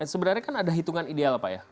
sebenarnya kan ada hitungan ideal pak ya